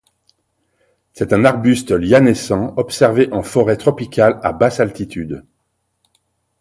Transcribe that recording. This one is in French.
C'est un arbuste lianescent observé en forêt tropicale à basse altitude.